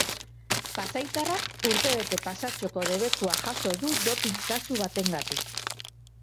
Pasaitarrak urtebete pasatxoko debekua jaso du dopping kasu batengatik.